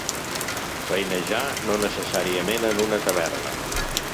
Feinejar, no necessàriament en una taverna.